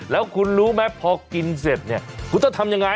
แล้วคุณรู้ไหมพอกินเสร็จเนี่ยคุณต้องทำยังไง